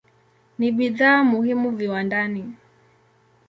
Ni bidhaa muhimu viwandani.